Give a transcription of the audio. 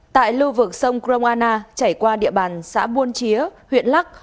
tại lưu vực sông kromana chảy qua địa bàn xã buôn chĩa huyện lắc